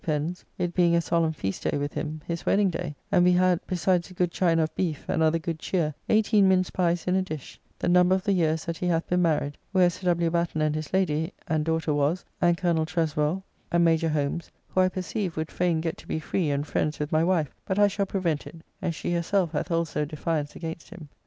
Pen's, it being a solemn feast day with him, his wedding day, and we had, besides a good chine of beef and other good cheer, eighteen mince pies in a dish, the number of the years that he hath been married, where Sir W. Batten and his Lady, and daughter was, and Colonel Treswell and Major Holmes, who I perceive would fain get to be free and friends with my wife, but I shall prevent it, and she herself hath also a defyance against him.